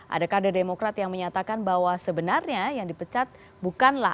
ada kader demokrat yang menyatakan bahwa sebenarnya yang dipecat bukanlah